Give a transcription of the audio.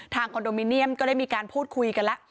คอนโดมิเนียมก็ได้มีการพูดคุยกันแล้ว